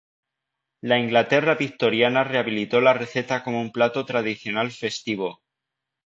La Inglaterra victoriana rehabilitó la receta como un plato tradicional festivo.